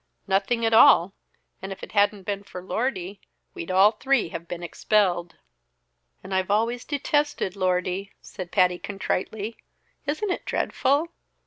"Nothing at all and if it hadn't been for Lordy, we'd all three have been expelled." "And I've always detested Lordy," said Patty contritely. "Isn't it dreadful?